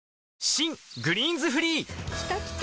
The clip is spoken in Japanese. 新「グリーンズフリー」きたきた！